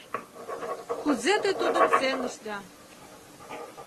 Кузе те тудым сеҥышда?!